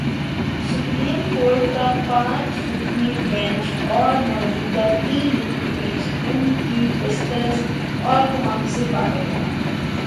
Supreme court کا پانچ رکنی بینچ اور موجودہ تین رکنی بینچ ان کی دسترس اور پہنچ سے باہر رہا۔